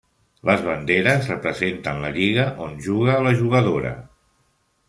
Les banderes representen la lliga on juga la jugadora.